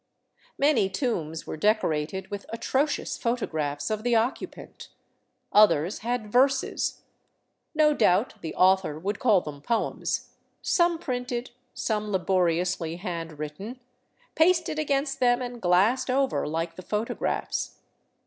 Many tombs were decorated with atrocious photographs of the occupant; others had verses — no doubt the author would call them poems — some printed, some laboriously hand written, pasted against them and glassed over, like the photographs.